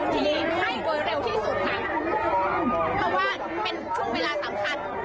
ที่ให้โดยเร็วที่สุดค่ะเพราะว่าเป็นช่วงเวลาสำคัญ